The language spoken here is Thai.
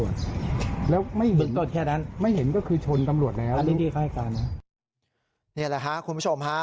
นี่แหละค่ะคุณผู้ชมฮะ